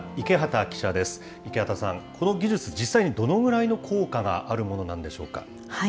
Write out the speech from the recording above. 池端さん、この技術、実際にどのくらいの効果があるものなんでしょうか。